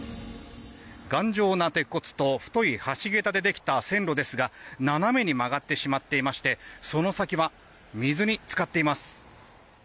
頑丈な鉄骨と太い橋げたでできた線路ですが斜めに曲がってしまっていましてその先は水に浸かっています。